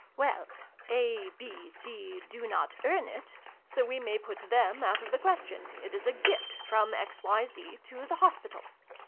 Well, A, B, C do not earn it ; so we may put them out of the question : it is a gift, from X, Y, Z, to the Hospital.